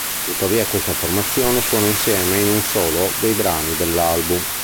Tuttavia, questa formazione suona insieme in uno solo dei brani dell'album.